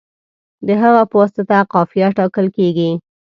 د هغه په واسطه قافیه ټاکل کیږي.